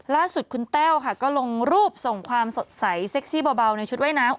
ล่าสุดคุณแต้วค่ะก็ลงรูปส่งความสดใสเซ็กซี่เบาในชุดว่ายน้ำ